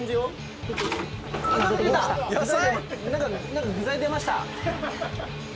何か具材出ました。